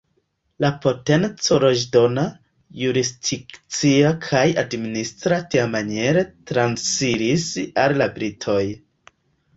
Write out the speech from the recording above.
La potenco leĝdona, jurisdikcia kaj administra tiamaniere transiris al la britoj.